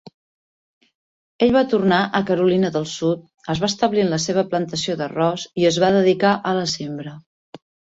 Ell va tornar a Carolina del Sud, es va establir en la seva plantació d'arròs i es va dedicar a la sembra.